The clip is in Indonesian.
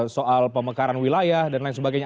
soal pemekaran wilayah dan lain sebagainya